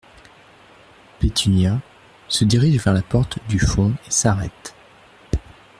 Pétunia , se dirige vers la porte du fond et s’arrête.